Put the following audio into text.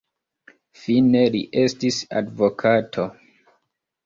Fine li estis advokato.